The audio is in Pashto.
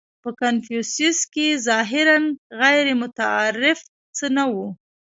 • په کنفوسیوس کې ظاهراً غیرمتعارف څه نهو.